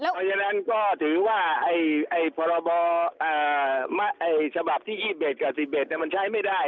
คราวนี้ก็ถือว่าไอ่ไอพรบอ่าไอ์ฉบับ๒๑กับ๒๑มันใช้ไม่ได้